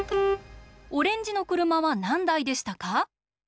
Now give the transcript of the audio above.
オレンジの車はなんだいでしたか？